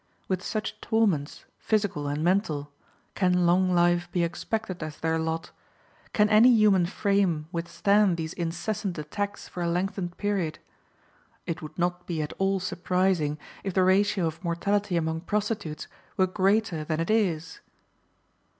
With such torments, physical and mental, can long life be expected as their lot? Can any human frame withstand these incessant attacks for a lengthened period? It would not be at all surprising if the ratio of mortality among prostitutes were greater than it is.